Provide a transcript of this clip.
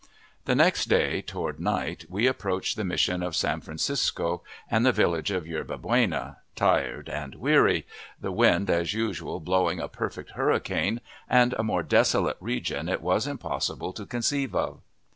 The next day toward night we approached the Mission of San Francisco, and the village of Yerba Buena, tired and weary the wind as usual blowing a perfect hurricane, and a more desolate region it was impossible to conceive of.